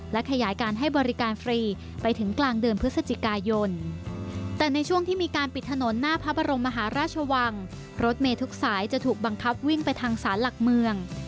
และขยายการให้บริการฟรีไปถึงกลางเดือนพฤศจิกายน